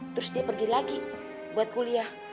terus dia pergi lagi buat kuliah